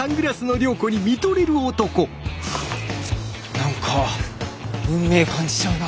何か運命感じちゃうな。